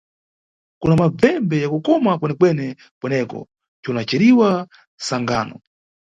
Kuna mabvembe ya kukoma kwenekwene, kweneko cunaceriwa Sangano.